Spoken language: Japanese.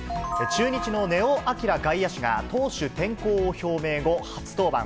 中日の根尾昂外野手が投手転向を表明後、初登板。